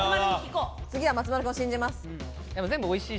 次は松丸君を信じます。